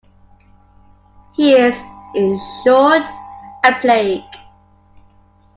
He is, in short, a plague.